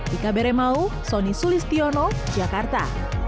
dika beremau sonny sulistiono jakarta